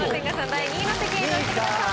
第２位の席へ移動してください。